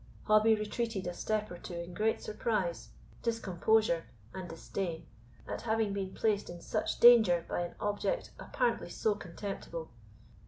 Hobbie retreated a step or two in great surprise, discomposure, and disdain, at having been placed in such danger by an object apparently so contemptible.